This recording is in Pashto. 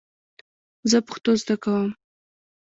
زه پښتو زده کوم .